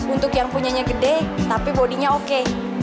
untuk yang punya nya gede tapi body nya oke